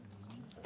え？